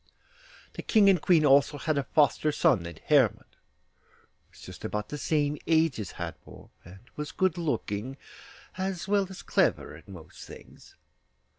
The King and Queen had also a foster son, named Hermod, who was just about the same age as Hadvor, and was good looking, as well as clever at most things.